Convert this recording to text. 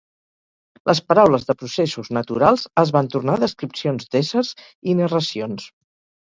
Les paraules de processos naturals es van tornar descripcions d'éssers i narracions.